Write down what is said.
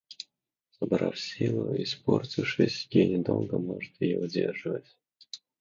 Забрав силу и испортившись, гений долго может ее удерживать.